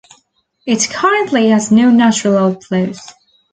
It currently has no natural outflows.